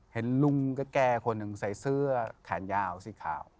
เห็นลุงแก่คนหนึ่งใส่เสื้อแขนยาวสีขาว